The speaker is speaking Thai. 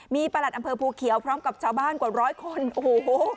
มีประหลัดอำเภอภูเขียวพร้อมกับชาวบ้านกว่าร้อยคนโอ้โห